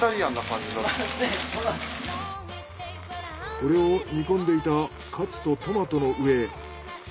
これを煮込んでいたカツとトマトの上へ。